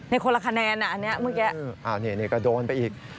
ในคนละคะแนนอะอันเนี้ยเมื่อกี้อ่านี่นี่ก็โดนไปอีก